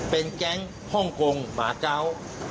เป็นแก๊งฮ่องกงป่าเจ้า